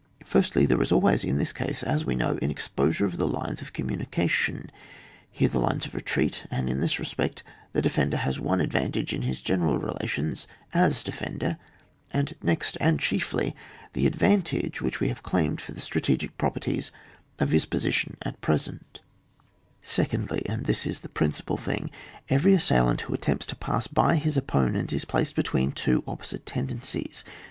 Firstly, there is always in this case, as we know, an exposure of the lines of communication, here the lines of retreat, and in this respect the defender has one advantage in his general relations as defender, and^ next and chiefly, the advantage which we have claimed for the strategic properties of his position at present. OHAP. xxvm.] DEFENOE OF A TEEATRE OF WAJL 185 Secondly, — and this is the principal thii^y — eyery assailant who attempts to pass Dy his opponent is placed between two opposite tendencies.